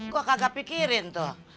gua kagak pikirin tuh